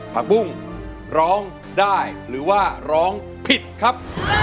ผักบุ้งร้องได้หรือว่าร้องผิดครับ